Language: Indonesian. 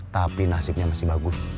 tapi nasibnya masih bagus